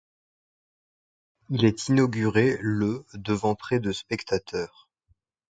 Il est inauguré le devant près de spectateurs.